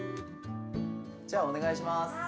じゃあお願いします。